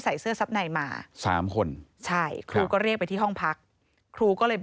แล้วก็ยึดชุดชั้นในเอาไว้น้องเขาเลยบอกว่าเนี่ยต้องกอดกระเป๋า